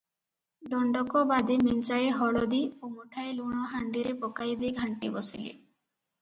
ଦଣ୍ଡକ ବାଦେ ମେଞ୍ଚାଏ ହଳଦି ଓ ମୁଠାଏ ଲୁଣ ହାଣ୍ଡିରେ ପକାଇ ଦେଇ ଘାଣ୍ଟି ବସିଲେ ।